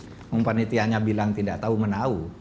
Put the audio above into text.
kalau panitianya bilang tidak tahu menau